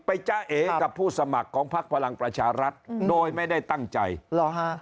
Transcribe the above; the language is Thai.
จ้าเอกับผู้สมัครของพักพลังประชารัฐอืมโดยไม่ได้ตั้งใจหรอฮะ